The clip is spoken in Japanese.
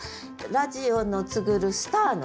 「ラジオの告ぐるスターの死」